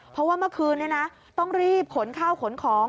เพราะว่าเมื่อคืนนี้นะต้องรีบขนข้าวขนของ